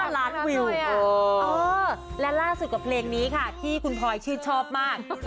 ล้านวิวและล่าสุดกับเพลงนี้ค่ะที่คุณพลอยชื่นชอบมาก